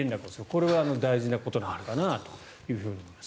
これは大事なことなのかなと思います。